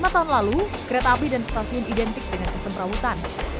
lima tahun lalu kereta api dan stasiun identik dengan kesemperawutan